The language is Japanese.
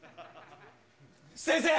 先生！